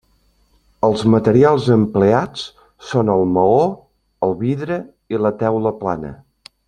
Els materials empleats són el maó, el vidre i la teula plana.